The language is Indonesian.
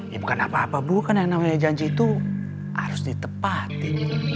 ya bukan apa apa bu kan yang namanya janji itu harus ditepatin